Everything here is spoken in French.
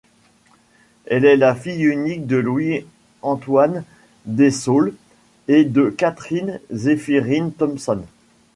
Elle est la fille unique de Louis-Antoine Dessaulles et de Catherine-Zéphirine Thompson.